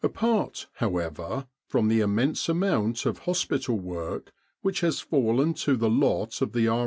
Apart, however, from the immense amount of hospital work which has fallen to the lot of the R.